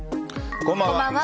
こんばんは。